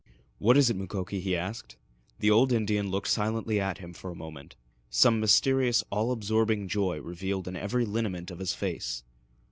"What is it, Mukoki?" he asked. The old Indian looked silently at him for a moment, some mysterious, all absorbing joy revealed in every lineament of his face.